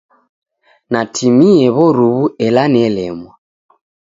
Natimie w'oruw'u ela nelemwa.